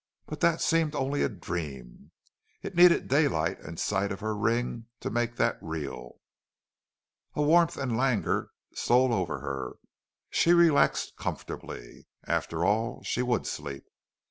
But that seemed only a dream. It needed daylight and sight of her ring to make that real. A warmth and languor stole over her; she relaxed comfortably; after all, she would sleep.